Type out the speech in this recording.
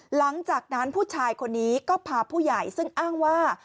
หลังจากนั้นผู้ชายคนนี้ก็พาผู้ใหญ่ซึ่งอ้างว่า